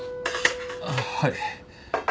あっはい。